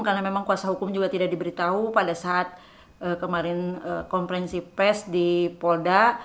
karena memang kuasa hukum juga tidak diberitahu pada saat kemarin konferensi pes di polda